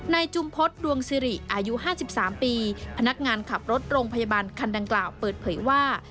จุมพฤษดวงสิริอายุ๕๓ปีพนักงานขับรถโรงพยาบาลคันดังกล่าวเปิดเผยว่า